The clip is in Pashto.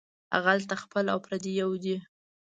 غله ته خپل او پردي یو دى